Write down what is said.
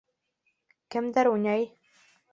Кемдәр уйнай?